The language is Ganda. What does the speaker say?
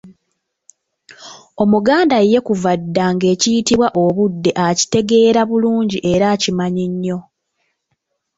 Omuganda ye kuva dda ng'ekiyitibwa obudde akitegeera bulungi era akimanyi nnyo .